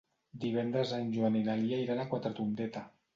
Divendres en Joan i na Lia iran a Quatretondeta.